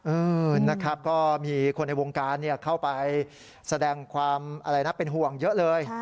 เออนะครับก็มีคนในวงการเข้าไปแสดงความอะไรนะเป็นห่วงเยอะเลย